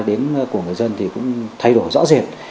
đến của người dân thì cũng thay đổi rõ rệt